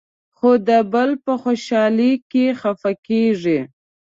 خو د بل په خوشالۍ کې خفه کېږي.